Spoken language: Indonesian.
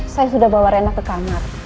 saya sudah bawa rena ke kamar